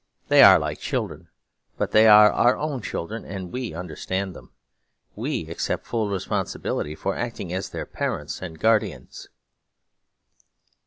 They are like children; but they are our own children, and we understand them. We accept full responsibility for acting as their parents and guardians.'